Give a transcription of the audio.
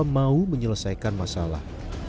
ini menyebabkan penyelesaikan masalah